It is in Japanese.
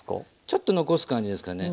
ちょっと残す感じですかね。